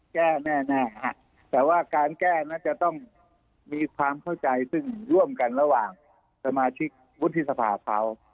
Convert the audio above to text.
แก้แน่แต่ว่าการแก้นั้นจะต้องมีความเข้าใจซึ่งร่วมกันระหว่างสมาชิกวุฒิสภาเขา